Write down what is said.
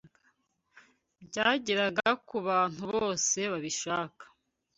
byageraga ku bantu bose babishaka